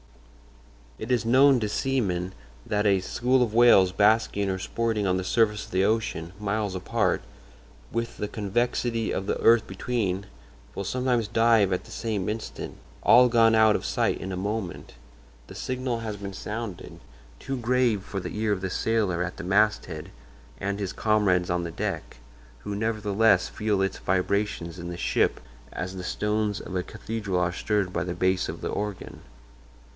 "It is known to seamen that a school of whales basking or sporting on the surface of the ocean, miles apart, with the convexity of the earth between, will sometimes dive at the same instant—all gone out of sight in a moment. The signal has been sounded—too grave for the ear of the sailor at the masthead and his comrades on the deck—who nevertheless feel its vibrations in the ship as the stones of a cathedral are stirred by the bass of the organ.